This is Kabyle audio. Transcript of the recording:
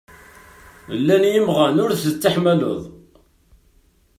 Llan yimɣan ur tettḥamaleḍ?